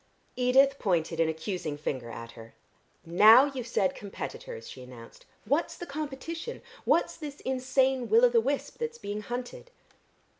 Edith pointed an accusing finger at her. "Now you've said competitors," she announced. "What's the competition? What's this insane will o' the wisp that's being hunted?"